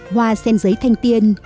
hoa sen dạy thanh tiên